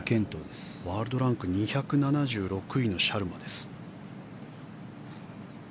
ワールドランク２７６位のシャルマです。